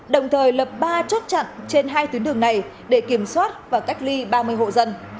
đồng thời lập ba chốt chặn trên hai tuyến đường này để kiểm soát và cách ly ba mươi hộ dân